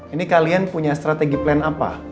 ini kalian punya strategi plan apa